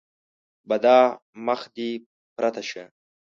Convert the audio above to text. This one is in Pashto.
بدعا: مخ دې پرته شه!